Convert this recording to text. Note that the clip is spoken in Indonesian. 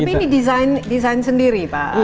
tapi ini desain sendiri pak